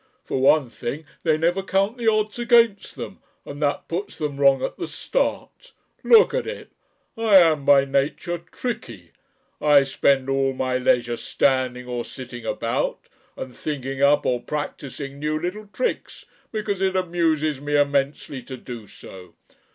For one thing, they never count the odds against them, and that puts them wrong at the start. Look at it! I am by nature tricky. I spend all my leisure standing or sitting about and thinking up or practising new little tricks, because it amuses me immensely to do so.